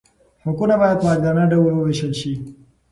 حقونه باید په عادلانه ډول وویشل شي.